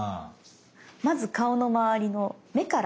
まず顔のまわりの目から。